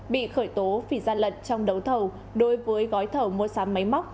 bị khởi tố vì gian lận trong đấu thầu đối với gói thầu mua sắm máy móc